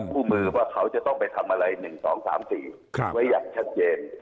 คู่มือว่าเขาจะต้องไปทำอะไร๑๒๓๔ไว้อย่างชัดเจน